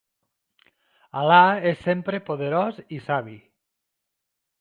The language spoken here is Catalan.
Allah és sempre poderós i savi.